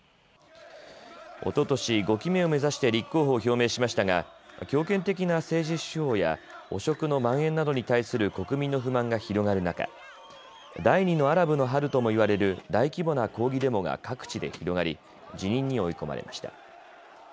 おととし５期目を目指して立候補を表明しましたが強権的な政治手法や汚職のまん延などに対する国民の不満が広がる中、第２のアラブの春ともいわれる大規模な抗議デモが各地で広がり辞任に追い込まれました。